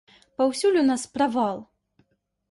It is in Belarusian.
Паўсюль у нас правал!